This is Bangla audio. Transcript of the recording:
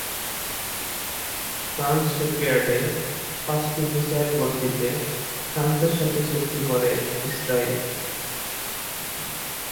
ফ্রান্স শিপইয়ার্ডে পাঁচটি মিসাইল বোট দিতে ফ্রান্সের সাথে চুক্তি করে ইসরাইল।